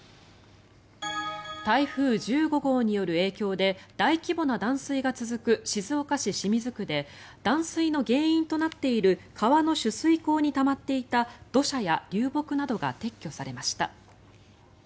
台風１５号による影響で大規模な断水が続く静岡市清水区で断水の原因となっている川の取水口にたまっていた土砂や流木などが撤去されました。